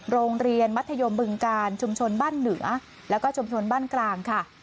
โรงเรียนมัธยมบึงการชุมชนบ้านเหนือแล้วก็ชุมชนบ้านกลางค่ะ